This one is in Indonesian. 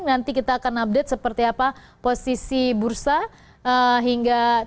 nanti kita akan update seperti apa posisi bursa hingga